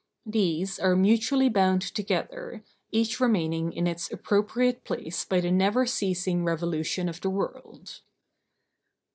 These are mutually bound together, each remaining in its appropriate place by the never ceasing revolution of the world.